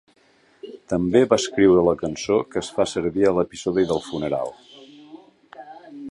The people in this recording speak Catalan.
També va escriure la cançó que es fa servir a l'episodi del funeral.